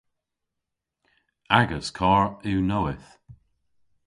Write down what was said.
Agas karr yw nowydh.